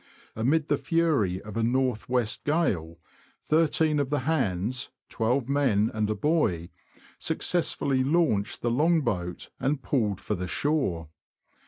Amid the fury of a north west gale, thirteen of the hands (twelve men and a boy) successfully launched the long boat, and pulled for the shore.